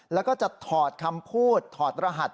แล้วก็จะถอดคำพูดถอดรหัส